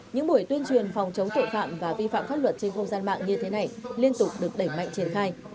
những buổi tuyên truyền phòng chống tội phạm và vi phạm pháp luật trên không gian mạng như thế này liên tục được đẩy mạnh triển khai